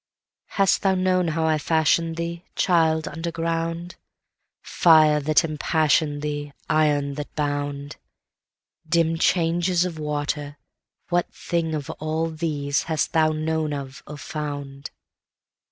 Hast thou known how I fashion'd thee, Child, underground? Fire that impassion'd thee, Iron that bound, Dim changes of water, what thing of all these hast thou known of or found?